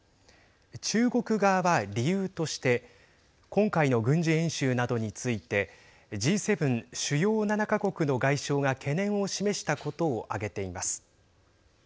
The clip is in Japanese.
中国側は理由として今回の軍事演習などについてＧ７＝主要７か国の外相が懸念を示したことを挙げています。